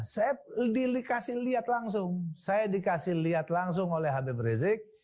saya dikasih lihat langsung saya dikasih lihat langsung oleh habib rizik